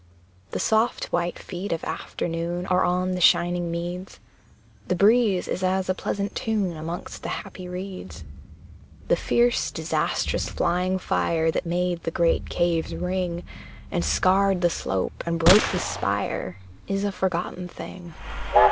The soft white feet of afternoon Are on the shining meads, The breeze is as a pleasant tune Amongst the happy reeds. The fierce, disastrous, flying fire, That made the great caves ring, And scarred the slope, and broke the spire, Is a forgotten thing.